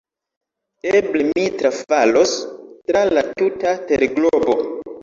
Eble mi trafalos tra la tuta terglobo!